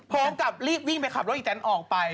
พร้อมกับรีบวิ่งไปขับรถอีแตนออกไป